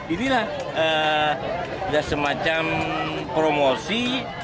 inilah semacam promosi